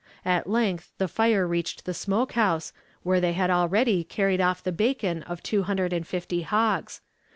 At length the fire reached the smoke house, where they had already carried off the bacon of two hundred and fifty hogs.